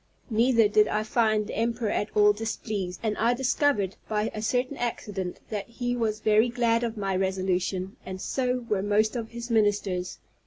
Neither did I find the emperor at all displeased, and I discovered, by a certain accident, that he was very glad of my resolution, and so were most of his ministers.